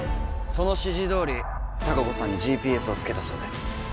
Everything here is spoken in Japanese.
その指示どおり隆子さんにＧＰＳを付けたそうです